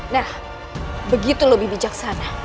nah begitu lebih bijaksana